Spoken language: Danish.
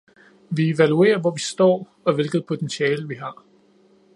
Vi evaluerer, hvor vi står, og hvilket potentiale vi har.